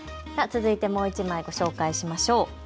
続いてもう１枚ご紹介しましょう。